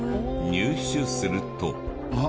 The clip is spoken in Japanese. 入手すると。